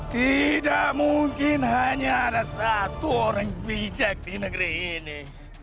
tidak mungkin hanya ada satu orang bijak di negeri ini